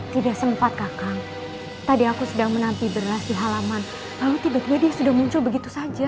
tidak sepat kakak tadi aku sedang menanti deras di halaman kalau tidak dia sudah muncul begitu saja